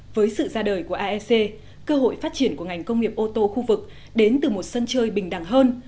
với sự ra đời của aec cơ hội phát triển của ngành công nghiệp ô tô khu vực đến từ một sân chơi bình đẳng hơn